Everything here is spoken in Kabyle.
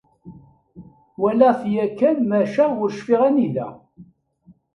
Walaɣ-t yakan maca ur cfiɣ anida.